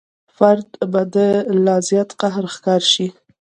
فرد به د لا زیات قهر ښکار شي.